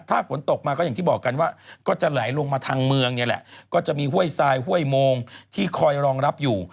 ถ้าฝนตกมาก็อย่างที่บอกกันว่าก็จะไหลลงมาทางเมืองเนี่ยแหละก็จะมีห้วยทรายห้วยโมงที่คอยรองรับอยู่